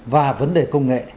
và vấn đề công nghệ